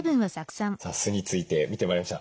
さあ酢について見てまいりました。